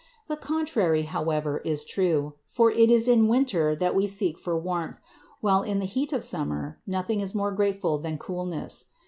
The contrary, however, is true; for it is in winter that we seek for warmth, while in the heat of summer nothing is more grateful than coolness.